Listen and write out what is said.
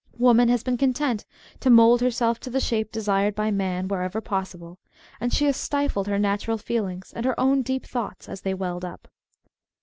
Woman has been content to mould herself to the shape desired by man wherever possible, and she has stilled her natural feel ings and her own deep thoughts as they welled up.